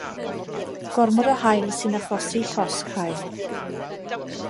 Gormod o haul sy'n achosi llosg haul.